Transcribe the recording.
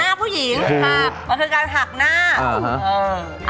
หน้าผู้หญิงหักมันคือการหักหน้า